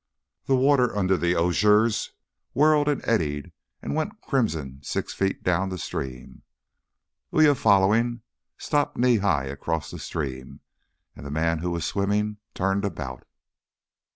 The water under the osiers whirled and eddied and went crimson six feet down the stream. Uya following stopped knee high across the stream, and the man who was swimming turned about.